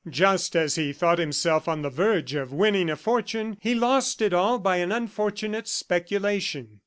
Just as he thought himself on the verge of winning a fortune, he lost it all by an unfortunate speculation.